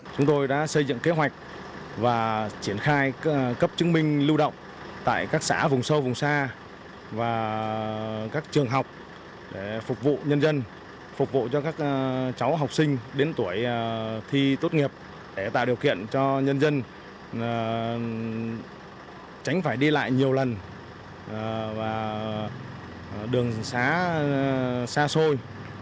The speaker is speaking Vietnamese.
chúng tôi đã xây dựng kế hoạch và triển khai cấp chứng minh lưu động tại các xã vùng sâu vùng xa và các trường học để phục vụ nhân dân phục vụ cho các cháu học sinh đến tuổi thi tốt nghiệp để tạo điều kiện cho nhân dân tránh phải đi lại nhiều lần và đường xá xa xôi